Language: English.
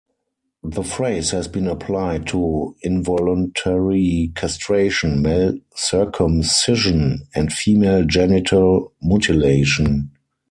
The phrase has been applied to involuntary castration, male circumcision, and female genital mutilation.